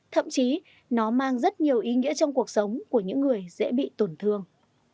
thậm chí nó mang rất nhiều ý nghĩa trong cuộc sống của những người dễ bị tổn thương